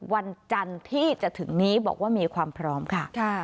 วันจันทร์ที่จะถึงนี้บอกว่ามีความพร้อมค่ะ